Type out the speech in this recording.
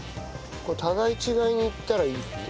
互い違いにいったらいいって。